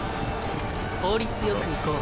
効率よくいこう。